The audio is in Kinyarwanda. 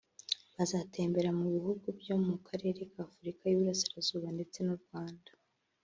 bazatembera mu bihugu byo mu karere k’Afurika y’Uburasirazuba ndetse n’u Rwanda